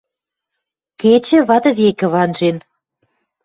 Кечӹ вады векӹ ванжен.